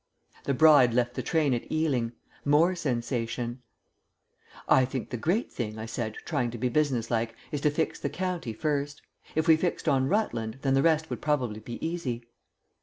"'The bride left the train at Ealing.' More sensation." "I think the great thing," I said, trying to be businesslike, "is to fix the county first. If we fixed on Rutland, then the rest would probably be easy."